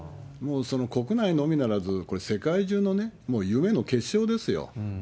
もう国内のみならず、これ、世界中のね、もう夢の結晶ですよ。